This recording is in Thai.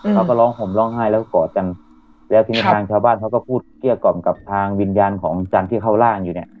เขาก็ร้องห่มร้องไห้แล้วก็กอดกันแล้วทีนี้ทางชาวบ้านเขาก็พูดเกลี้ยกล่อมกับทางวิญญาณของจันทร์ที่เข้าร่างอยู่เนี่ย